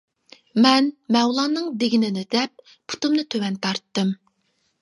مەن مەۋلاننىڭ دېگىنىنى دەپ پۇتۇمنى تۆۋەن تارتتىم.